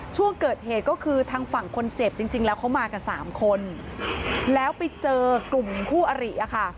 ช่วงเกิดเหตุก็คือทางฝั่งคนเจ็บจริงแล้วเขามากันสามคนแล้วไปเจอกลุ่มคู่อริอ่ะค่ะ